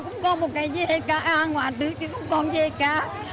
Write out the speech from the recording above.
không còn một cái gì hết cả à ngoan đứt chứ không còn gì hết cả